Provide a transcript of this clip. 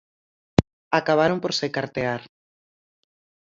Acabaron por se cartear.